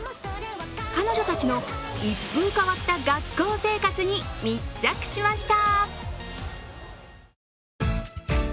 彼女たちの一風変わった学校生活に密着しました。